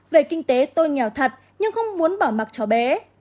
về kinh tế tôi nghèo thật nhưng không muốn bỏ mặc cháu bé